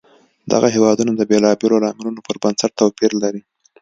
دغه هېوادونه د بېلابېلو لاملونو پر بنسټ توپیر لري.